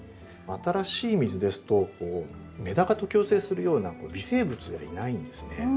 新しい水ですとメダカと共生するような微生物がいないんですね。